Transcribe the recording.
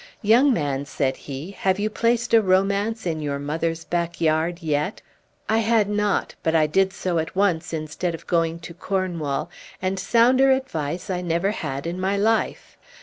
'Young man,' said he, 'have you placed a romance in your mother's backyard yet?' I had not, but I did so at once instead of going to Cornwall, and sounder advice I never had in my life.